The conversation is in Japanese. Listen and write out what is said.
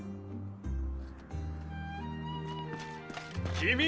君！